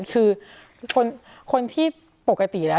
คือคนที่ปกติแล้ว